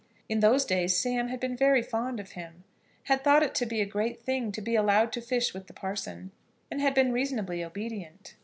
In those days Sam had been very fond of him, had thought it to be a great thing to be allowed to fish with the parson, and had been reasonably obedient.